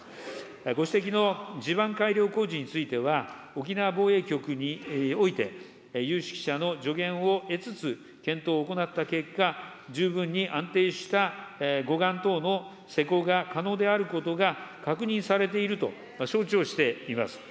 ご指摘の地盤改良工事については、沖縄防衛局において、有識者の助言を得つつ、検討を行った結果、十分に安定した護岸等の施工が可能であることが確認されていると、承知をしています。